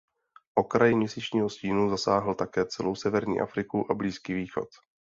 Okraj měsíčního stínu zasáhl také celou severní Afriku a Blízký východ.